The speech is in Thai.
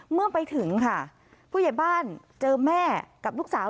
เมื่อไปถึงค่ะผู้ใหญ่บ้านเจอแม่กับลูกสาว